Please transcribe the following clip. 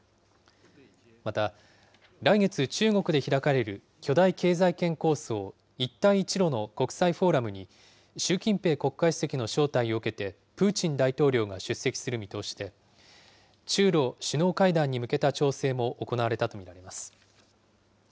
また、来月、中国で開かれる巨大経済圏構想、一帯一路の国際フォーラムに習近平国家主席の招待を受けてプーチン大統領が出席する見通しで、中ロ首脳会談に向けた調整も行われたと見られます。